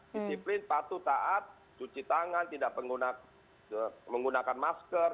disiplin patuh taat cuci tangan tidak menggunakan masker